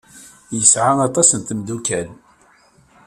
Yesɛa aṭas n tmeddukal.